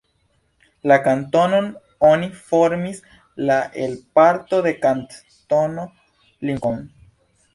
La kantonon oni formis la el parto de Kantono Lincoln.